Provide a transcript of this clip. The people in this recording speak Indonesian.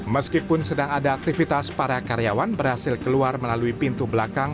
meskipun sedang ada aktivitas para karyawan berhasil keluar melalui pintu belakang